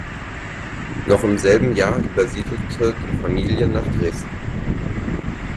Noch im selben Jahr übersiedelte die Familie nach Dresden.